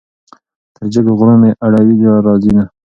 تر جګو غرو مې اړوي ژړا راځينه